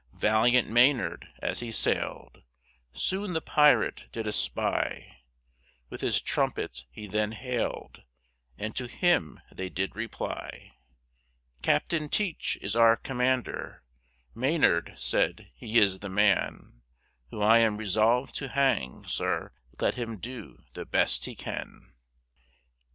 Valiant Maynard as he sailed, Soon the Pirate did espy, With his Trumpet he then hailed, And to him they did reply: Captain Teach is our Commander, Maynard said, he is the Man Whom I am resolv'd to hang, Sir, Let him do the best he can.